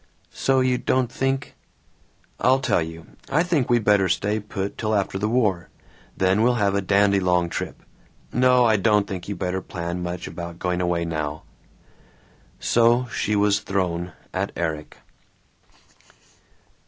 "So you don't think " "I'll tell you: I think we better stay put till after the war. Then we'll have a dandy long trip. No, I don't think you better plan much about going away now." So she was thrown at Erik.